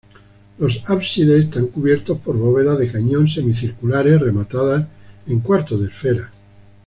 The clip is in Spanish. Los ábsides están cubiertos por bóvedas de cañón semicirculares rematadas en cuarto de esfera.